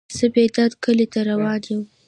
زه بیداد کلی ته روان یم.